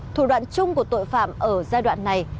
thủ đoạn chung của tội phạm ở giai đoạn này